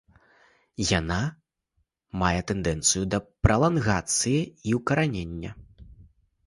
Яна мае тэндэнцыю да пралангацыі і ўкаранення.